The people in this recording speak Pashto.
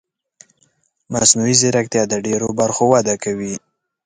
مصنوعي ځیرکتیا د ډېرو برخو وده کوي.